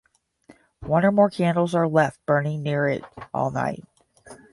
One or more candles are left burning near it all night.